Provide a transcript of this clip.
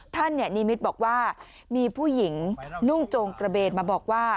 นิมิตรบอกว่ามีผู้หญิงนุ่งโจงกระเบนมาบอกว่า